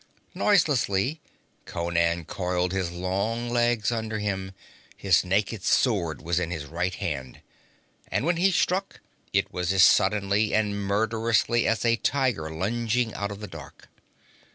Noiselessly Conan coiled his long legs under him; his naked sword was in his right hand, and when he struck it was as suddenly and murderously as a tiger lunging out of the dark.